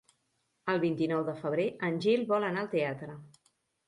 El vint-i-nou de febrer en Gil vol anar al teatre.